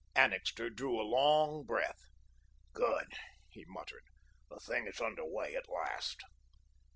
Annixter drew a long breath: "Good," he muttered, "the thing is under way at last."